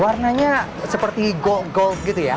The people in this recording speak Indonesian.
warnanya seperti gol gold gitu ya